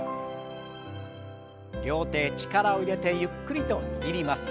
両手へ力を入れてゆっくりと握ります。